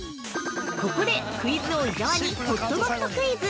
◆ここでクイズ王・伊沢にほっともっとクイズ！